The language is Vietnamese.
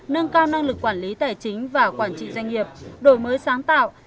nâng cao năng lực quản lý tài chính và quản trị doanh nghiệp đổi mới sáng tạo